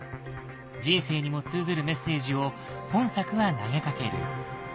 人生にも通ずるメッセージを本作は投げかける。